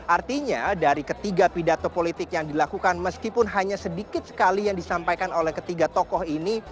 artinya dari ketiga pidato politik yang dilakukan meskipun hanya sedikit sekali yang disampaikan oleh ketiga tokoh ini